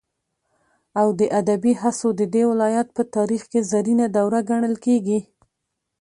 او د ادبي هڅو ددې ولايت په تاريخ كې زرينه دوره گڼل كېږي.